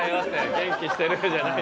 「元気してる？」じゃない。